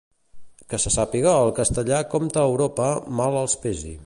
Que se sàpiga, el castellà compta a Europa, mal els pesi.